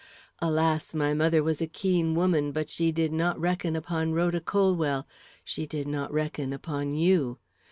Alas! my mother was a keen woman, but she did not reckon upon Rhoda Colwell; she did not reckon upon you.